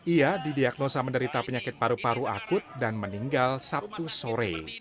ia didiagnosa menderita penyakit paru paru akut dan meninggal sabtu sore